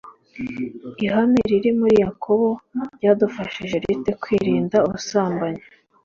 Ihame riri muri Yakobo ryadufasha rite kwirinda ubusambanyi